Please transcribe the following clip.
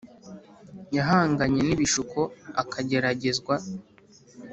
Yahanganye n ibishuko akageragezwa